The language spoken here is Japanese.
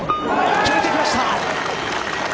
決めてきました。